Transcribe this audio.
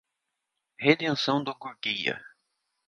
Redenção do Gurgueia